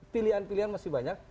pilihan pilihan masih banyak